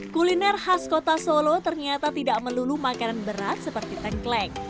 kuliner khas kota solo ternyata tidak melulu makanan berat seperti tengkleng